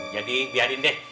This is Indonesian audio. jadi biarin deh